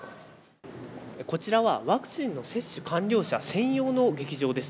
こちらはワクチンの接種完了者専用の劇場です。